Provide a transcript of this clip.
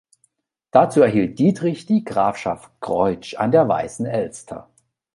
Dazu erhielt Dietrich die Grafschaft Groitzsch an der Weißen Elster.